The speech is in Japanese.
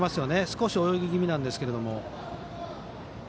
少し泳ぎ気味なんですけれども。